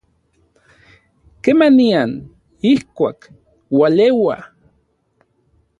kemanian, ijkuak, ualeua